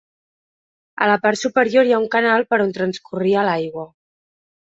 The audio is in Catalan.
A la part superior hi ha un canal per on transcorria l'aigua.